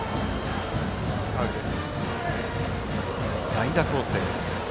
代打攻勢。